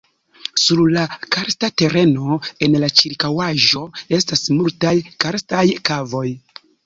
Sur la karsta tereno en la ĉirkaŭaĵo estas multaj karstaj kavoj.